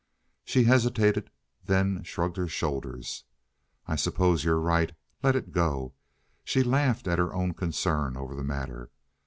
She hesitated, then shrugged her shoulders. "I suppose you're right. Let it go." She laughed at her own concern over the matter.